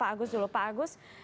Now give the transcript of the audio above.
terima kasih sudah pak agus